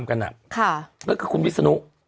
ก็คือคุณวิศนุ